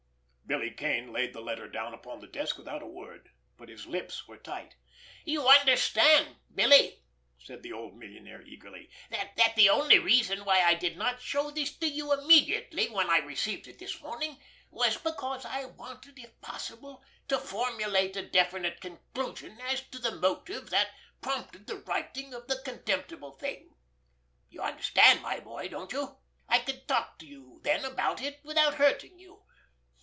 Billy Kane laid the letter down upon the desk without a word—but his lips were tight. "You understand, Billy," said the old millionaire eagerly, "that the only reason why I did not show this to you immediately when I received it this morning was because I wanted, if possible, to formulate a definite conclusion as to the motive that prompted the writing of the contemptible thing. You understand, my boy, don't you? I could talk to you then about it without hurting you.